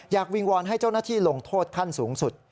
วิงวอนให้เจ้าหน้าที่ลงโทษขั้นสูงสุด